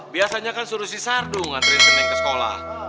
biasanya kan suruh si sardu nganterin si neng ke sekolah